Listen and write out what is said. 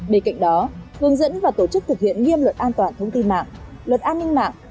bên cạnh đó hướng dẫn và tổ chức thực hiện nghiêm luật an toàn thông tin mạng luật an ninh mạng